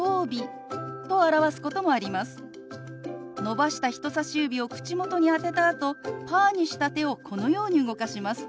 伸ばした人さし指を口元に当てたあとパーにした手をこのように動かします。